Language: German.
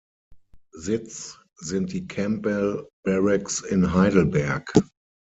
Sitz sind die Campbell Barracks in Heidelberg.